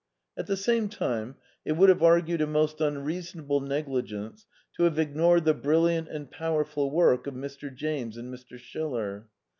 At the same time, it would have argued a most unreason able negligence to have ignored the brilliant and powerful work of Mr. James and Mr. Schiller.